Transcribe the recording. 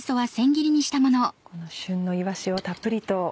この旬のいわしをたっぷりと。